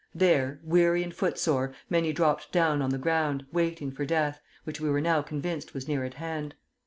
There, weary and footsore, many dropped down on the ground, waiting for death, which we were now convinced was near at hand.